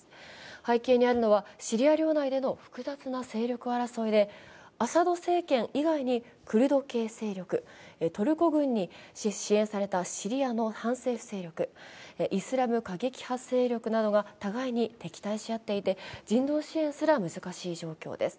背景にあるのはシリア領内での複雑な勢力争いでアサド政権以外に、クルド系勢力トルコ軍に支援されたシリアの反政府勢力、イスラム過激派勢力などが互いに撃退しあってい人道支援すら難しい状況です。